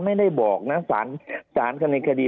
ภารกิจสรรค์ภารกิจสรรค์